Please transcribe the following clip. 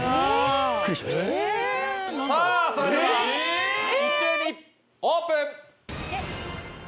それでは一斉にオープン。